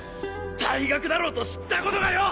退学だろうと知ったことかよ！